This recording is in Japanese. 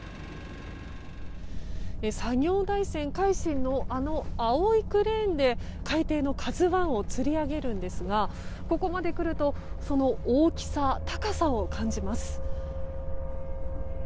作業台船「海進」のあの青いクレーンで海底の「ＫＡＺＵ１」をつり上げるんですがここまで来るとその大きさ、高さを感じます。